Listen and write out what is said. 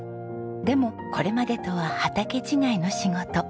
でもこれまでとは畑違いの仕事。